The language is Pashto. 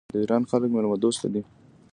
د ایران خلک میلمه دوست دي.